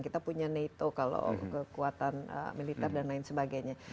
kita punya nato kalau kekuatan militer dan lain sebagainya